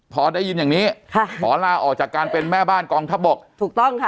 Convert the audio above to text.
พอได้ยินอย่างนี้ค่ะหมอลาออกจากการเป็นแม่บ้านกองทัพบกถูกต้องค่ะ